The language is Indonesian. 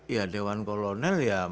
ya dewan kolonel ya